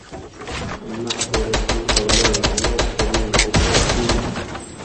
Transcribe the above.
اللہ تے رسول قبلائ، نِوان٘ز کری، زکواۃ دی،